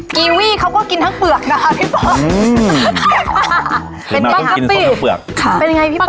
กีวี่เขาก็กินทั้งเปลือกนะคะพี่ป๊อกค่ะเป็นยังไงพี่ป๊